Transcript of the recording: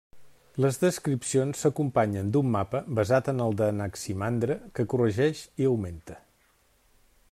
Les descripcions s'acompanyen d'un mapa, basat en el d'Anaximandre, que corregeix i augmenta.